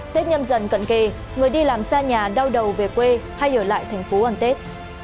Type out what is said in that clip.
tết nhâm dần cận kề người đi làm xa nhà đau đầu về quê hay ở lại thành phố ăn tết